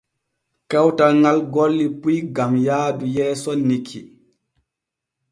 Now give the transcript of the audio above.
Kawtal ŋal golli puy gam yaadu yeeso nikki.